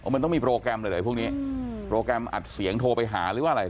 มันต้องมีโปรแกรมเลยเหรอพวกนี้โปรแกรมอัดเสียงโทรไปหาหรือว่าอะไร